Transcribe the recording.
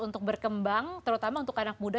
untuk berkembang terutama untuk anak muda